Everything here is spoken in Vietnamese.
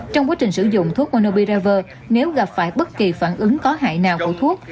trong quá trình sử dụng thuốc monobiraver nếu gặp phải bất kỳ phản ứng có hại nào của thuốc